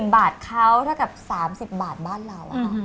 บาทเขาเท่ากับ๓๐บาทบ้านเรา